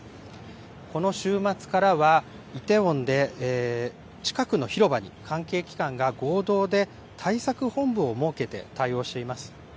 この週末からは、イテウォンで、近くの広場に関係機関が合同で対策本部を設けて対応しています。